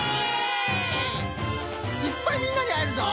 いっぱいみんなにあえるぞ。